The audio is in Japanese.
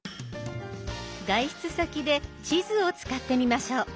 外出先で地図を使ってみましょう。